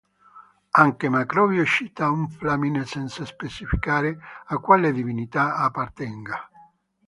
Anche Macrobio cita un flamine senza specificare a quale divinità appartenga.